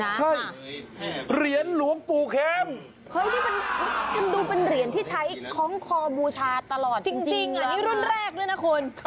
จริงนะและรุ่นแรก